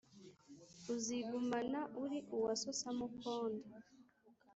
Uzigumana uri uwa so Samukondo